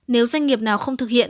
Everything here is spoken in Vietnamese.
nếu doanh nghiệp nào không thực hiện